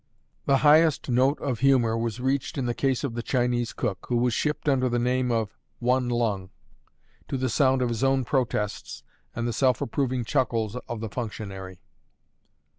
The highest note of humour was reached in the case of the Chinese cook, who was shipped under the name of "One Lung," to the sound of his own protests and the self approving chuckles of the functionary.